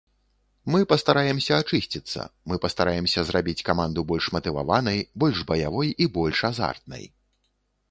Мы пастараемся ачысціцца, мы пастараемся зрабіць каманду больш матываванай, больш баявой і больш азартнай.